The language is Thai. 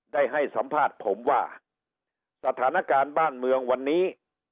ได้ให้สัมภาษณ์ผมว่าสถานการณ์บ้านเมืองวันนี้